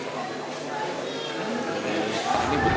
bnpb mencari bantuan yang berbeda